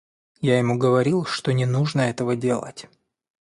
Я ему говорил, что не нужно этого делать!